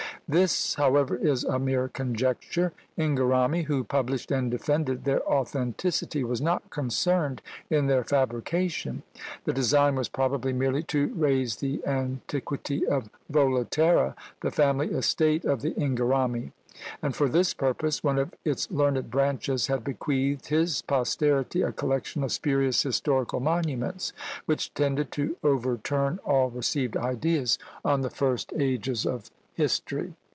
This, however, is a mere conjecture! Inghirami, who published and defended their authenticity, was not concerned in their fabrication; the design was probably merely to raise the antiquity of Volaterra, the family estate of the Inghirami; and for this purpose one of its learned branches had bequeathed his posterity a collection of spurious historical monuments, which tended to overturn all received ideas on the first ages of history.